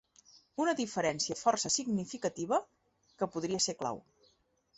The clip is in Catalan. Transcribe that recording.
Una diferència força significativa, que podria ser clau.